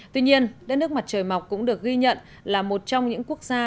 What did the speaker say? tuy nhiên đất nước mặt trời mọc cũng được ghi nhận là một trong những quốc gia